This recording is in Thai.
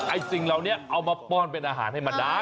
สิ่งเหล่านี้เอามาป้อนเป็นอาหารให้มันได้